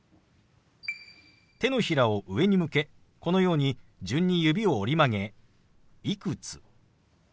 手のひらを上に向けこのように順に指を折り曲げ「いくつ」。